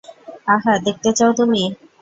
আহা, দেখতে চাও তুমি?